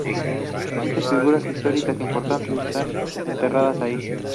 Muchas figuras históricas importantes están enterradas allí.